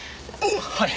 はい。